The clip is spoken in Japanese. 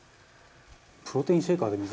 「プロテインシェーカーで水」